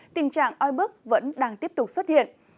tình trạng oi bức vẫn đang tiếp tục xuất hiện